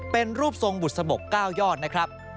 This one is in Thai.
เป็นรูปทรงบุษบก๙ยอดนะครับ